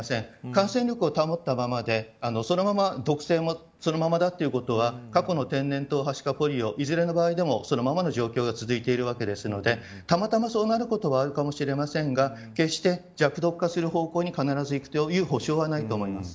感染力を保ったままで毒性もそのままだということは過去の天然痘、はしかポリオ、いずれの場合でもそのままの状況が続いているのでたまたま、そうなることはあるかもしれませんが決して弱毒化する方向に必ずいく保証はないと思います。